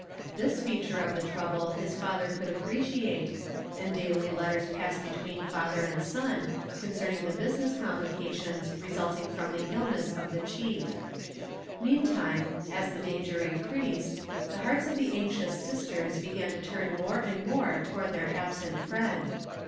This feature of the trouble his father could appreciate, and daily letters passed between father and son concerning the business complica tions resulting from the illness of the chief. Mean time, as the danger increased, the hearts of the anxious sisters began to turn more and more to ward their absent friend.